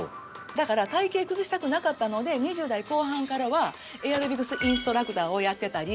だから体形崩したくなかったので２０代後半からはエアロビクスインストラクターをやってたり。